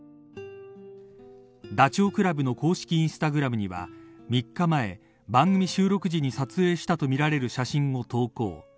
ダチョウ倶楽部の公式インスタグラムには３日前、番組収録時に撮影したとみられる写真を投稿。